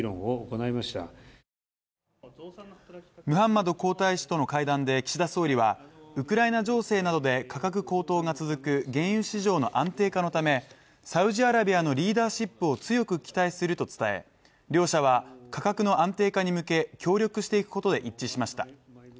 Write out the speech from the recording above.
ムハンマド皇太子との会談で岸田総理はウクライナ情勢などで価格高騰が続く原油市場の安定化のためサウジアラビアのリーダーシップを強く期待すると伝え両者は価格の安定化に向け協力していくことで一致しました。